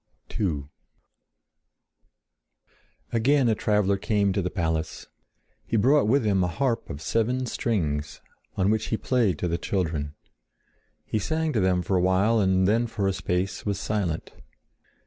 II Again a traveler came to the palace. He brought with him a harp of seven strings, on which he played to the children. He sang to them for a while and then for a space was silent.